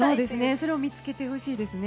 それを見つけてほしいですね。